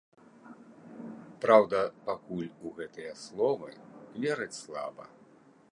Праўда, пакуль у гэтыя словы вераць слаба.